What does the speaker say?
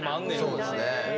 そうですね。